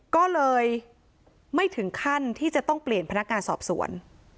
ก็เลยไม่ถึงขั้นที่จะต้องเปลี่ยนพนักงานสอบสวน